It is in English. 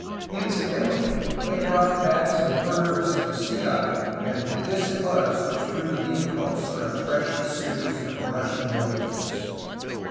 Incidentally, they brought back some furs of the sea otter, and this it was which proved the impulse for a fresh series of Russian voyages.